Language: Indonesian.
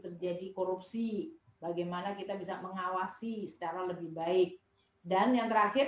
terjadi korupsi bagaimana kita bisa mengawasi secara lebih baik dan yang terakhir